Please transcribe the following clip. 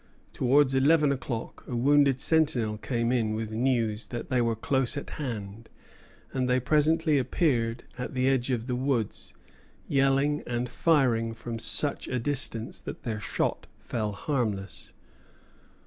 Towards eleven o'clock a wounded sentinel came in with news that they were close at hand; and they presently appeared at the edge of the woods, yelling, and firing from such a distance that their shot fell harmless.